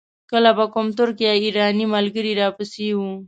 کله به کوم ترک یا ایراني ملګری را پسې و.